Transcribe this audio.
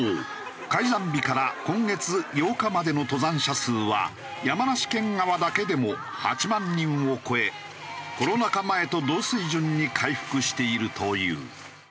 開山日から今月８日までの登山者数は山梨県側だけでも８万人を超えコロナ禍前と同水準に回復しているという。